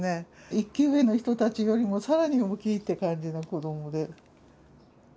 １級上の人たちよりも更に大きいって感じの子どもで。